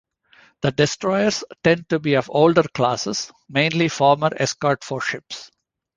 The destroyers tend to be of older classes, mainly former escort force ships.